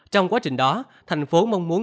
trong quá trình đó thành phố mong muốn